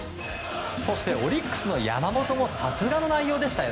そしてオリックスの山本もさすがの内容でした。